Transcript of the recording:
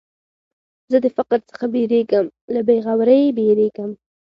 زه د فقر څخه بېرېږم، له بېغورۍ بېرېږم.